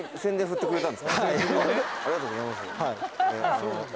はい。